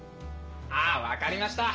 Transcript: ああ分かりました。